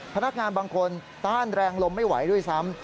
พนักงานบางคนต้านแรงลมไม่ไหวด้วยซ้ำ